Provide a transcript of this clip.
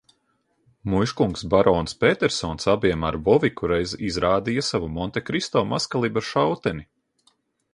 Muižkungs barons Pētersons abiem ar Voviku reiz izrādīja savu Montekristo mazkalibra šauteni.